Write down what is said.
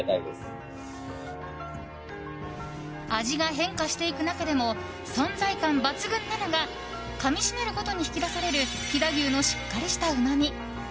味が変化していく中でも存在感抜群なのがかみしめるごとに引き出される飛騨牛のしっかりしたうまみ。